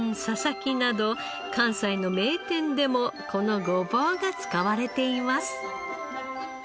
木など関西の名店でもこのごぼうが使われています。